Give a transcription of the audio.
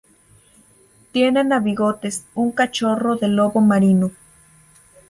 Tienen a Bigotes, un cachorro de lobo marino.